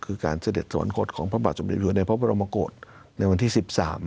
คือการเสด็จสวนกฎของพระบาทจมิตรอยู่ในพระบรมกฎในวันที่๑๓